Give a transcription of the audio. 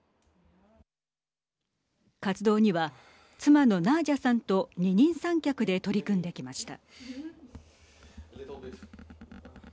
活動には妻のナージャさんと二人三脚で取り組んできました。